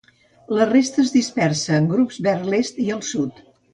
La resta és dispersa en grups vers l'est i el sud.